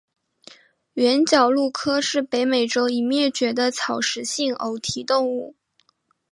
原角鹿科是北美洲已灭绝的草食性偶蹄动物。